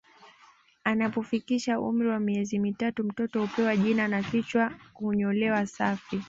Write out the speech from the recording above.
Anapofikisha umri wa miezi mitatu mtoto hupewa jina na kichwa hunyolewa safi